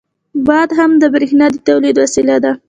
• باد هم د برېښنا د تولید وسیله ده.